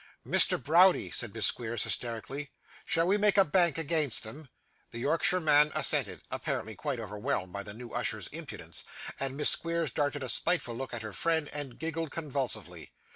'Mr. Browdie,' said Miss Squeers hysterically, 'shall we make a bank against them?' The Yorkshireman assented apparently quite overwhelmed by the new usher's impudence and Miss Squeers darted a spiteful look at her friend, and giggled convulsively.